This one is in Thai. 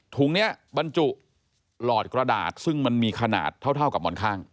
ถุงนี้บรรจุหลอดกระดาษซึ่งมันมีขนาดเท่ากับหมอนข้าง